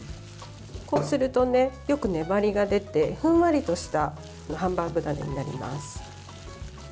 こうすると、よく粘りが出てふんわりとしたハンバーグダネになります。